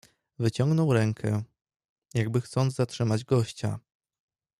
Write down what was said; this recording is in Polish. "Wyciągnął rękę, jakby chcąc zatrzymać gościa."